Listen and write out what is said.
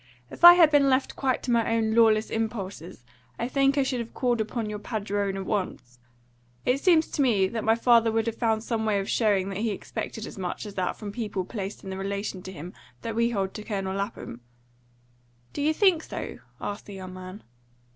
If I had been left quite to my own lawless impulses, I think I should have called upon your padrone at once. It seems to me that my father would have found some way of showing that he expected as much as that from people placed in the relation to him that we hold to Colonel Lapham." "Do you think so?" asked the young man.